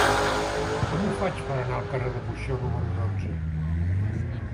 Com ho faig per anar al carrer de Buxó número dotze?